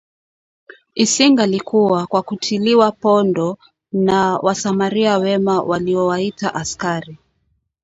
Isingalikua kwa kutiliwa pondo na wasamaria wema waliowaita askari